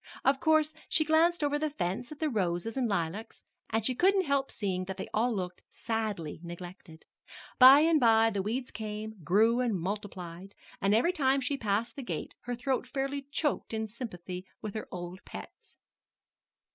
Of course, she glanced over the fence at the roses and lilacs, and she couldn't help seeing that they all looked sadly neglected. By and by the weeds came, grew, and multiplied; and every time she passed the gate her throat fairly choked in sympathy with her old pets.